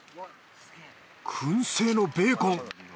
くん製のベーコン。